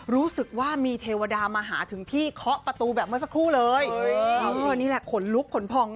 รู้สึกว่ามีเทวดามาหาถึงที่เคาะประตูแบบเมื่อสักครู่เลยนี่แหละขนลุกขนพอง